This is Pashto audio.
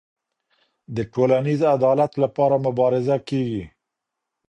د ټولنیز عدالت لپاره مبارزه کيږي.